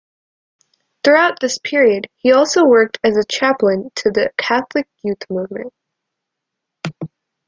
Throughout this period he also worked as a chaplain to the Catholic youth movement.